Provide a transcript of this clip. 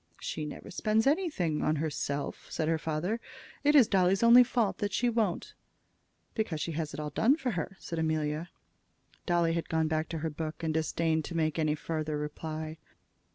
"She never spends anything on herself," said her father. "It is Dolly's only fault that she won't." "Because she has it all done for her," said Amelia. Dolly had gone back to her book, and disdained to make any farther reply.